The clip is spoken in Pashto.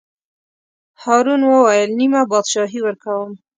هارون وویل: نیمه بادشاهي ورکووم.